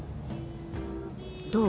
どう？